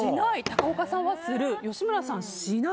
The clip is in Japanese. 高岡さんは、する吉村さんは、する。